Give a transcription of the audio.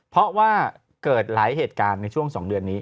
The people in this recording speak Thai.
เพราะว่าเกิดหลายเหตุการณ์ในช่วง๒เดือนนี้